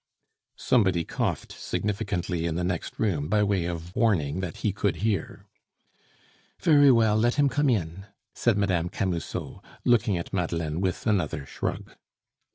Somebody coughed significantly in the next room by way of warning that he could hear. "Very well, let him come in!" said Mme. Camusot, looking at Madeleine with another shrug.